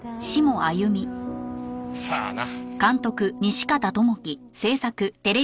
さあな。